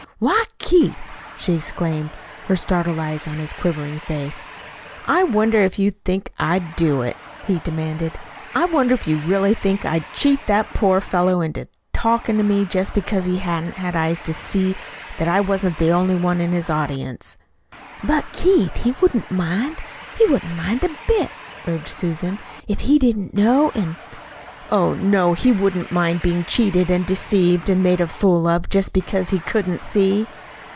"Why, Keith!" she exclaimed, her startled eyes on his quivering face. "I wonder if you think I'd do it!" he demanded. "I wonder if you really think I'd cheat that poor fellow into talking to me just because he hadn't eyes to see that I wasn't the only one in his audience!" "But, Keith, he wouldn't mind; he wouldn't mind a bit," urged Susan, "if he didn't know an' " "Oh, no, he wouldn't mind being cheated and deceived and made a fool of, just because he couldn't see!"